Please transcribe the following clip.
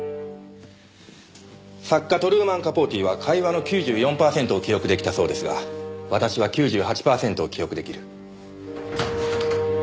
作家トルーマン・カポーティは会話の９４パーセントを記憶出来たそうですが私は９８パーセントを記憶出来る。